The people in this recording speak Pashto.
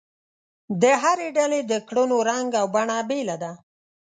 د هرې ډلې د کړنو رنګ او بڼه بېله ده.